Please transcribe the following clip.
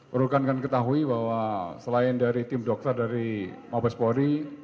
perlukan kan ketahui bahwa selain dari tim dokter dari mabespori